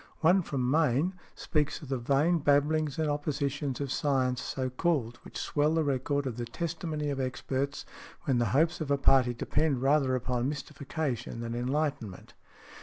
One from Maine, speaks of "the vain babblings and oppositions of science so called, which swell the record of the testimony of experts when the hopes of a party depend rather upon mystification than enlightenment."